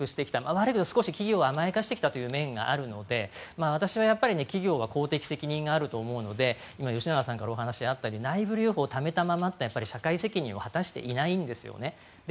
悪く言えば、企業は少し甘やかしてきた面があるので私は企業は公的責任があると思うので今、吉永さんからお話があったように内部留保をためたままというのは社会責任を果たしていないんですね。